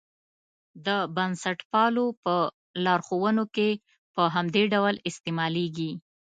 د بنسټپالو په لارښوونو کې په همدې ډول استعمالېږي.